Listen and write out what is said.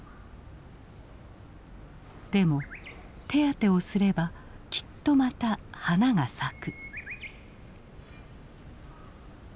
でも手当てをすればきっとまた花が咲く。